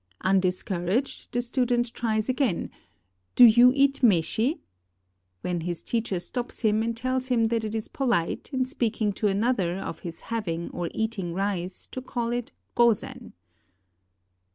Undiscouraged, the stu dent tries again: "Do you eat meshi?" when his teacher stops him, and tells him that it is polite, in speaking to another of his having or eating rice, to call it gozen.